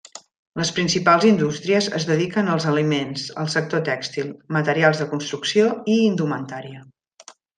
Les principals indústries es dediquen als aliments, el sector tèxtil, materials de construcció i indumentària.